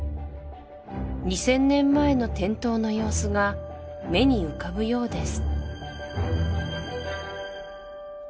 ２０００年前の店頭の様子が目に浮かぶようです